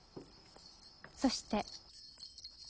そして。